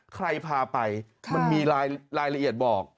ใครพาไปมันมีรายละเอียดบอก